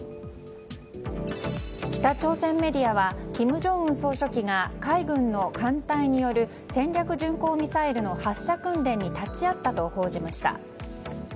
北朝鮮メディアは金正恩総書記が海軍の艦隊による戦略巡航ミサイルの発射訓練に立ち会ったと報じました。